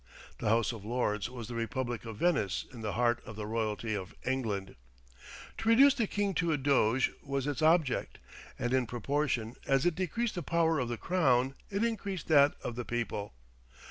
The House of Lords was the republic of Venice in the heart of the royalty of England. To reduce the king to a doge was its object; and in proportion as it decreased the power of the crown it increased that of the people.